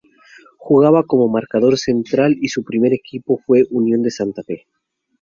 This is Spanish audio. Jugaba como marcador central y su primer equipo fue Unión de Santa Fe.